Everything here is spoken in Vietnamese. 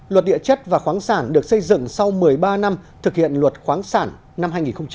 luật địa chất và khoáng sản được xây dựng sau một mươi ba năm thực hiện luật khoáng sản năm hai nghìn một mươi